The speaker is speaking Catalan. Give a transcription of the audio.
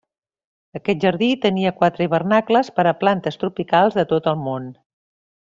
Aquest jardí tenia quatre hivernacles per a plantes tropicals de tot el món.